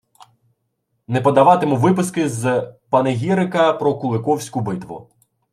Не подаватиму виписки з панегірика про Куликовську битву